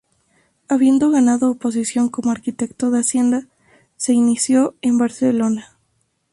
Habiendo ganado oposición como arquitecto de Hacienda, se inició en Barcelona.